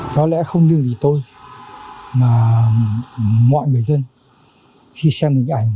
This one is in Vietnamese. có lẽ không những vì tôi mà mọi người dân khi xem hình ảnh